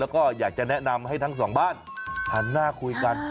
แล้วก็อยากจะแนะนำให้ทั้งสองบ้านหันหน้าคุยกัน